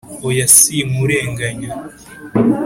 Oya si nkurenganya